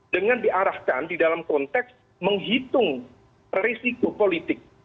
dengan diarahkan di dalam konteks menghitung risiko politik